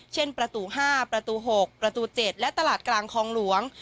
ประตู๕ประตู๖ประตู๗และตลาดกลางคลองหลวง